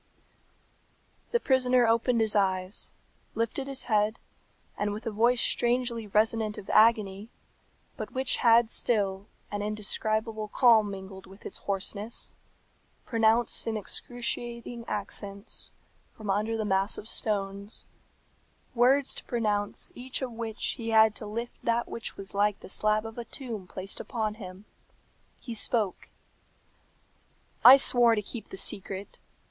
The prisoner opened his eyes, lifted his head, and, with a voice strangely resonant of agony, but which had still an indescribable calm mingled with its hoarseness, pronounced in excruciating accents, from under the mass of stones, words to pronounce each of which he had to lift that which was like the slab of a tomb placed upon him. He spoke, "I swore to keep the secret.